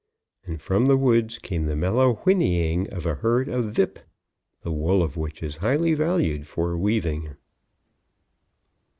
And, from the woods, came the mellow whinnying of a herd of vip, the wool of which is highly valued for weaving.